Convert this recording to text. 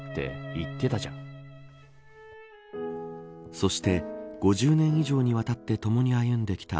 そして、５０年以上にわたってともに歩んできた。